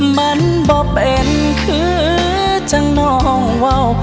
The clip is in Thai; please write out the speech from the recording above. มันบ่เป็นคือจังน้องว่าว